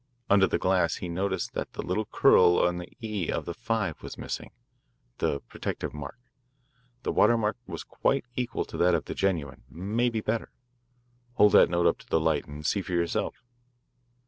Under the glass he noticed that the little curl on the 'e' of the 'Five' was missing. It's the protective mark. The water mark was quite equal to that of the genuine maybe better. Hold that note up to the light and see for yourself.